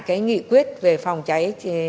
cái nghị quyết về phòng cháy